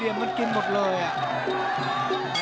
เรียนมันกินหมดเลยอ่ะ